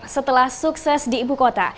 setelah sukses di ibu kota